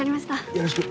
よろしく。